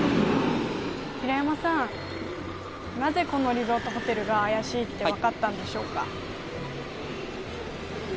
平山さん、なぜこのリゾートホテルが怪しいって分かったんでしょうか？